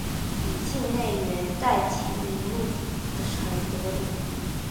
以境内元代集宁路古城得名。